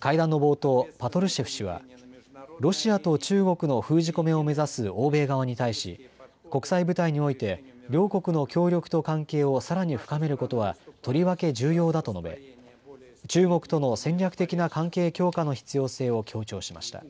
会談の冒頭、パトルシェフ氏はロシアと中国の封じ込めを目指す欧米側に対し国際舞台において両国の協力と関係をさらに深めることはとりわけ重要だと述べ中国との戦略的な関係強化の必要性を強調しました。